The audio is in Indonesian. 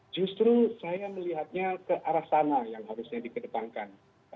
justru saya melihatnya ke arah sana yang harusnya dikedepankan